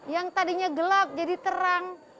yang tadinya gelap jadi terang